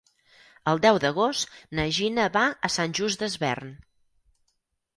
El deu d'agost na Gina va a Sant Just Desvern.